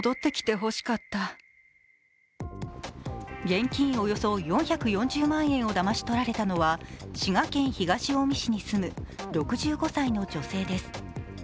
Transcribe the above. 現金およそ４４０万円をだましとられたのは滋賀県東近江市に住む６５歳の女性です。